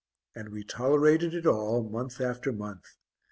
And we tolerated it all, month after month.